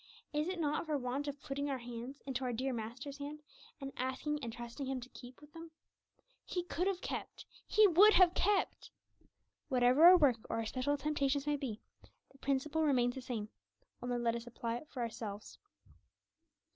Is it not for want of putting our hands into our dear Master's hand, and asking and trusting Him to keep them? He could have kept; He would have kept! Whatever our work or our special temptations may be, the principle remains the same, only let us apply it for ourselves.